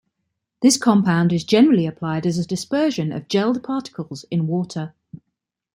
This compound is generally applied as a dispersion of gelled particles in water.